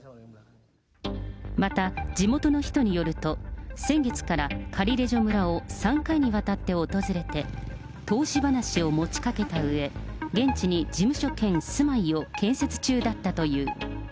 また地元の人によると、先月からカリレジョ村を３回にわたって訪れて、投資話を持ちかけたうえ、現地に事務所兼住まいを建設中だったという。